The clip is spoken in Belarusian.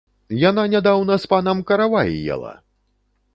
Яна нядаўна з панам каравай ела!